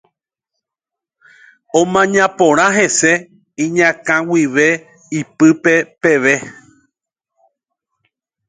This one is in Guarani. Omaña porã hese iñakã guive ipy peve.